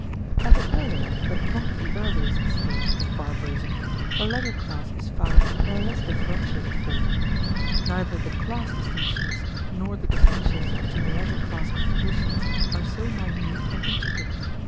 At an earlier, but not the earliest, stage of barbarism, the leisure class is found in a less differentiated form. Neither the class distinctions nor the distinctions between leisure class occupations are so minute and intricate.